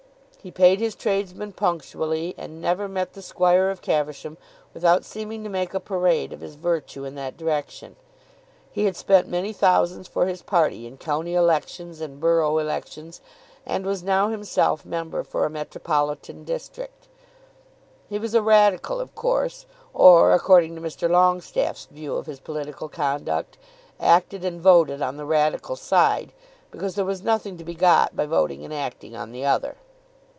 He paid his tradesmen punctually, and never met the squire of Caversham without seeming to make a parade of his virtue in that direction. He had spent many thousands for his party in county elections and borough elections, and was now himself member for a metropolitan district. He was a radical, of course, or, according to Mr. Longestaffe's view of his political conduct, acted and voted on the radical side because there was nothing to be got by voting and acting on the other.